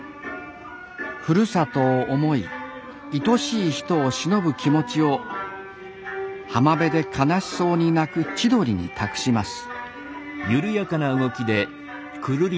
ふるさとを思いいとしい人をしのぶ気持ちを浜辺で悲しそうに鳴く千鳥に託します。